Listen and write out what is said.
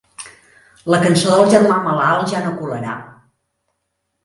La cançó del germà malalt ja no colarà.